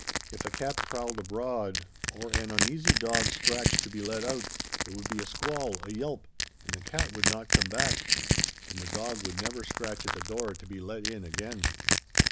If a cat prowled abroad, or an uneasy dog scratched to be let out, there would be a squall, a yelp, and the cat would not come back, and the dog would never scratch at the door to be let in again.